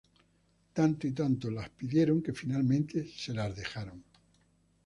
Tanto y tanto las pidieron que finalmente se las dejaron.